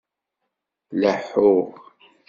Laḥuɣ